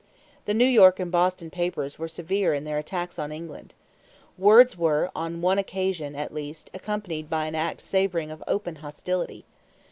The New York and Boston papers were severe in their attacks on England. Words were, on one occasion at least, accompanied by an act savoring of open hostility.